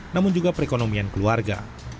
namun juga perekonomian keluarga